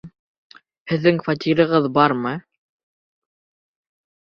Һеҙҙең фатирығыҙ бармы?